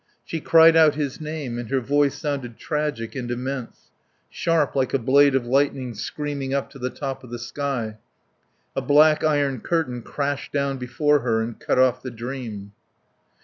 She cried out his name, and her voice sounded tragic and immense; sharp like a blade of lightning screaming up to the top of the sky. A black iron curtain crashed down before her and cut off the dream.